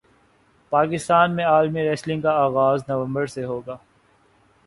پاکستان میں عالمی ریسلنگ کا اغاز نومبر سے ہوگا